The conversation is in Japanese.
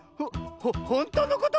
ほほんとうのこと⁉